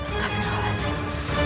sabar allah zainal